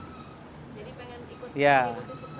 jadi pengen ikut ikut sukses lagi